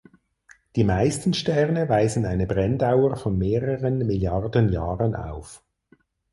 Die meisten Sterne weisen eine Brenndauer von mehreren Milliarden Jahren auf.